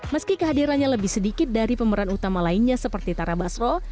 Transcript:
meski kehadirannya lebih sedikit dari pemeran utama lainnya seperti tara basro